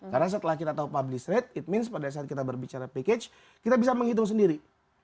karena setelah kita tahu publish rate it means pada saat kita berbicara package kita bisa menghitung sendiri